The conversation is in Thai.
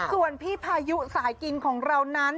ส่วนพี่พายุสายกินของเรานั้น